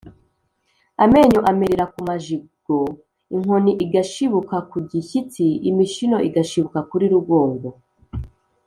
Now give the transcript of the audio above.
Amenyo amerera ku majigo, inkoni igashibuka ku gishyitsi, imishino igashibuka kuri rugongo.